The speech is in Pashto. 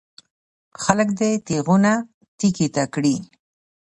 خلک دې تېغونه تېکې ته کړي.